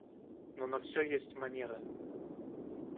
Но на всё есть манера.